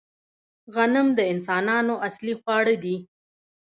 غنم د انسانانو اصلي خواړه دي